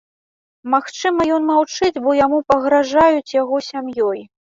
Магчыма, ён маўчыць, бо яму пагражаюць яго сям'ёй.